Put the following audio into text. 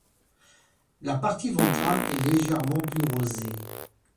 La partie ventrale est légèrement plus rosée.